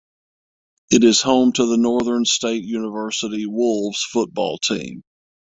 It is home to the Northern State University Wolves football team.